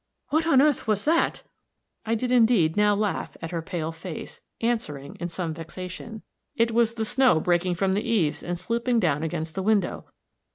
"What on earth was that?" I did indeed now laugh at her pale face, answering, in some vexation, "It was the snow breaking from the eaves, and slipping down against the window."